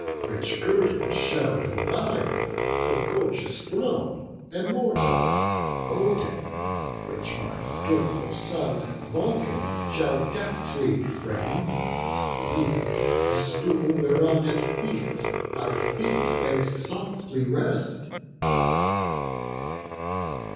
Rich guerdon shall be thine; a gorgeous throne, Immortal, golden; which my skilful son, Vulcan, shall deftly frame; beneath, a stool Whereon at feasts thy feet may softly rest."